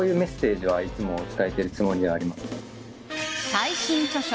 最新著書